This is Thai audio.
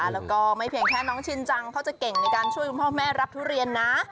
แล้วก็ไม่เพียงแค่น้องชินจังเขาจะเก่งในการช่วยคุณพ่อแม่รับทุเรียนนะ